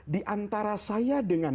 diantara saya dengan